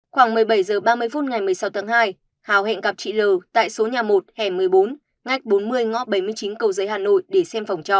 khoảng một mươi bảy h ba mươi phút ngày một mươi sáu tháng hai hào hẹn gặp chị l l tại số nhà một hẻ một mươi bốn ngách bốn mươi ngõ bảy mươi chín cầu giấy hà nội để xem phòng trọ